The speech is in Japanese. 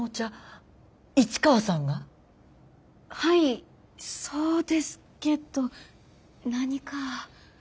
はいそうですけど何か？